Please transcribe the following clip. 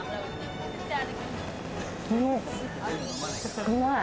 うまい！